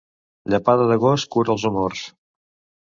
Llepada de gos cura els humors.